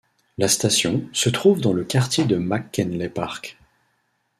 La station se trouve dans le quartier de McKinley Park.